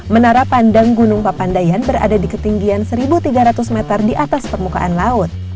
menara pandang gunung papandayan berada di ketinggian satu tiga ratus meter di atas permukaan laut